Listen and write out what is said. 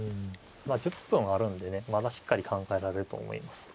まあ１０分あるんでねまだしっかり考えられると思います。